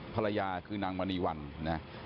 ภรรยาคือนางมณีวันนะ